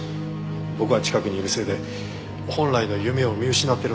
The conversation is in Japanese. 僕が近くにいるせいで本来の夢を見失ってるんだ。